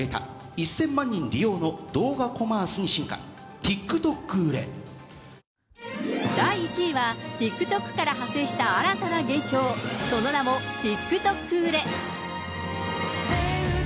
１０００万人利用の動画コマースに進化、第１位は、ＴｉｋＴｏｋから派生した新たな現象、その名もＴｉｋＴｏｋ売れ。